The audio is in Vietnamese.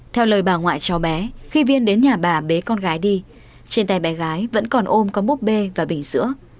theo lời bà ngoại cho bé khi viên đến nhà bà bế con gái đi trên tay bé gái vẫn còn ôm có búp bê và bình sữa